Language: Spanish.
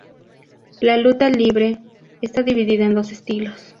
La luta livre está dividida en dos estilos.